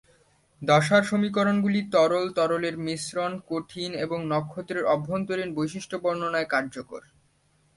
দশার সমীকরণগুলি তরল, তরলের মিশ্রণ, কঠিন এবং নক্ষত্রের অভ্যন্তরীণ বৈশিষ্ট্য বর্ণনায় কার্যকর।